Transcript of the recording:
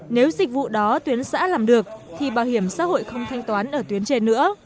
nếu dịch vụ đó tuyến xã làm được thì bảo hiểm xã hội không thanh toán ở tuyến trên nữa